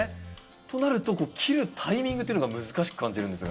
となると切るタイミングというのが難しく感じるんですが。